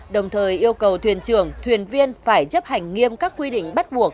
đồng thời yêu cầu thuyền trưởng thuyền viên phải chấp hành nghiêm các quy định bắt buộc